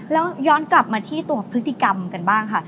แล้วย้อนกลับมาที่ตัวพฤติกรรมกันบ้างค่ะ